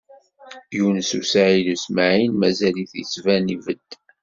Yunes u Saɛid u Smaɛil, mazal-it yettban ibedd.